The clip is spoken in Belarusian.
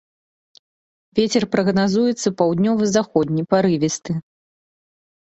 Вецер прагназуецца паўднёва-заходні парывісты.